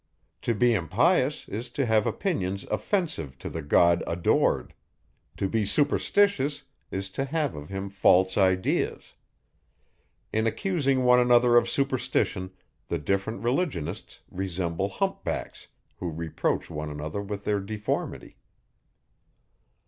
To be impious, is to have opinions offensive to the God adored; to be superstitious, is to have of him false ideas. In accusing one another of superstition, the different religionists resemble humpbacks, who reproach one another with their deformity.